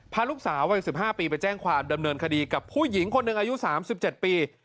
พาลูกสาววัย๑๕ปีไปแจ้งความดำเนินคดีกับผู้หญิงคนหนึ่งอายุ๓๗ปี